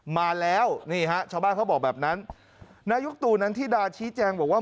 มาแล้วนี่ฮะชาวบ้านเขาบอกแบบนั้นนายกตู่นันทิดาชี้แจงบอกว่า